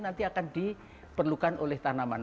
nanti akan diperlukan oleh tanaman